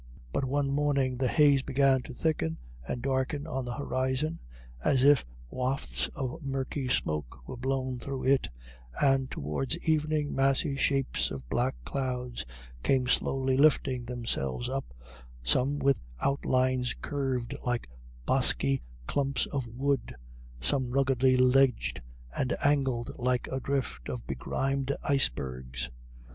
But one morning the haze began to thicken and darken on the horizon, as if wafts of murky smoke were blown through it, and towards evening massy shapes of black clouds came slowly lifting themselves up, some with outlines curved like bosky clumps of wood, some ruggedly ledged and angled like a drift of begrimed icebergs.